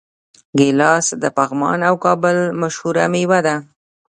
ګیلاس د پغمان او کابل مشهوره میوه ده.